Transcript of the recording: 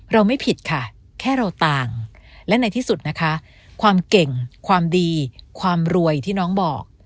ไม่ผิดค่ะแค่เราต่างและในที่สุดนะคะความเก่งความดีความรวยที่น้องบอก